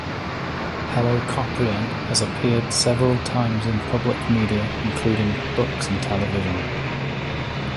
"Helicoprion" has appeared several times in public media, including books and television.